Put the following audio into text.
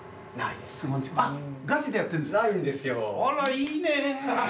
いいねー。